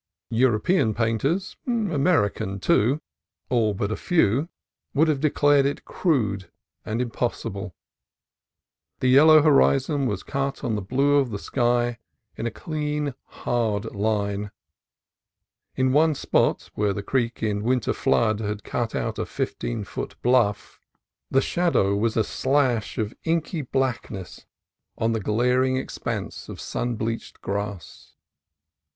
European painters — American, too, all but a few — would have declared it crude and impossible. The yellow horizon was cut on the blue of the sky in a clean, hard line. At one spot, where the creek in winter flood had cut out a fifteen foot bluff, the shadow was a slash of inky blackness on the glaring 24 CALIFORNIA COAST TRAILS expanse of sun bleached grass.